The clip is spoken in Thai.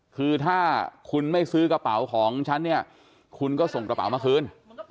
คือถ้าคุณไม่ซื้อกระเป๋าของฉันเนี่ยคุณก็ส่งกระเป๋ามาคืน